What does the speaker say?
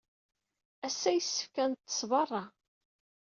Ass-a, yessefk ad neḍḍes beṛṛa.